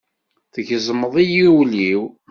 Tgezmeḍ-iyi ul-iw.